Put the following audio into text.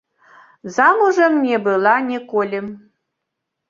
Замужам не была ніколі.